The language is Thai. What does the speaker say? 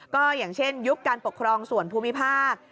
ก็อย่างเช่นยุคการปกครองส่วนภูมิภาค